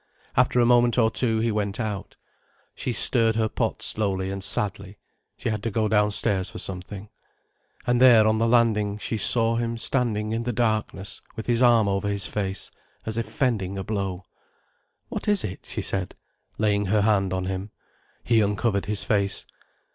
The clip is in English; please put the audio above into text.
After a moment or two he went out. She stirred her pot slowly and sadly. She had to go downstairs for something. And there on the landing she saw him standing in the darkness with his arm over his face, as if fending a blow. "What is it?" she said, laying her hand on him. He uncovered his face.